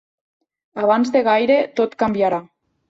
Abans de gaire tot canviarà.